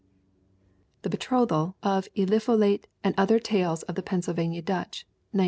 The Betrothal of Elypholate and Other Tales of the Pennsylvania Dutch, 1907.